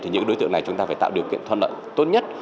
thì những đối tượng này chúng ta phải tạo điều kiện thuận lợi tốt nhất